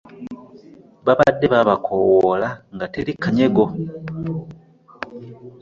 Babadde babakoowoola nga teri kanyego.